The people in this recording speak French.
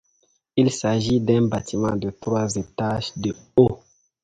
Il s'agit d'un bâtiment de trois étages de haut.